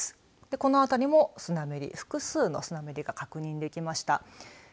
この辺りもスナメリ複数のスナメリが確認できました。